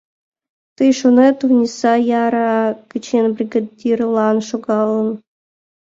Тый шонет, Ониса яра гычын бригадирлан шогалын?